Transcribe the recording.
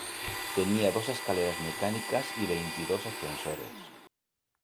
Tenía dos escaleras mecánicas y veintidós ascensores.